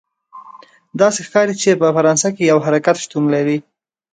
داسې ښکاري چې په فرانسه کې یو حرکت شتون لري.